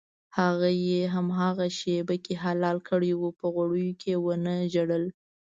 هغه یې هماغې شېبه کې حلال کړی و په غوړیو یې ونه ژړل.